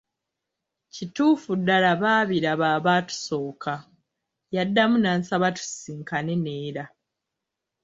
Kituufu ddala baabiraba abaatusooka! Yaddamu n'ansaba tusisinkane n'era.